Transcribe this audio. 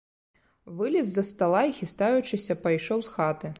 Вылез з-за стала і, хістаючыся, пайшоў з хаты.